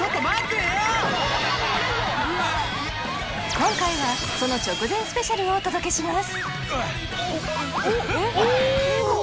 今回はその直前ＳＰをお届けします